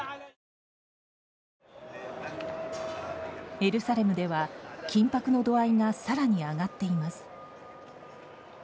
エルサレムでは緊迫の度合いが更に上がっています。